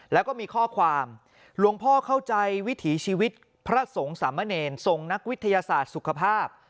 แล้วก็มีข้อความหลวงพ่อเข้าใจวิถีชีวิตพระสงฆ์สามเณรทรงนักวิทยาศาสตร์สุขภาพ